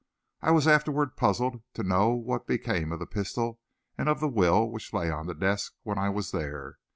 I was afterward puzzled to know what became of the pistol, and of the will which lay on the desk when I was there.